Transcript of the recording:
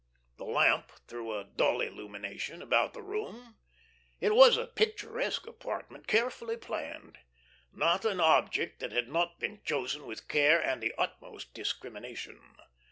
The lamp threw a dull illumination about the room. It was a picturesque apartment, carefully planned. Not an object that had not been chosen with care and the utmost discrimination.